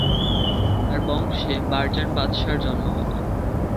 তার বংশে বারজন বাদশাহর জন্ম হবে।